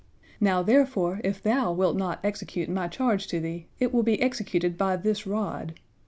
Now, therefore, if thou wilt not execute My charge to thee, it will be executed by this rod.